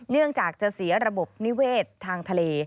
เนื่องจากจะเสียระบบนิเวศทางทะเล